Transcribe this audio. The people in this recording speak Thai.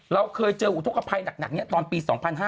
เราเคยเจออุทธกภัยหนักตอนปี๒๕๕๙